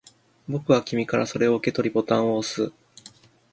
僕は君からそれを受け取り、ボタンを押す